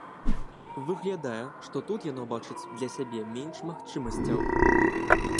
Выглядае, што тут яно бачыць для сябе менш магчымасцяў.